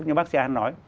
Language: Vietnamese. như bác sia nói